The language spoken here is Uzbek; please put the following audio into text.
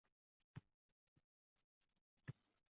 Uchrashuv marosimi do‘q-so‘roqlarsiz o‘tganidan biram quvondimki!